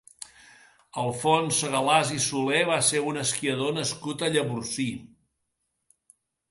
Alfons Segalàs i Solé va ser un esquiador nascut a Llavorsí.